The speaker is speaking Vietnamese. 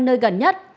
nơi gần nhất